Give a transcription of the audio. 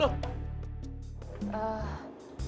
udah mut diam lo